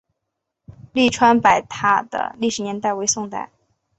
栗川白塔的历史年代为宋代。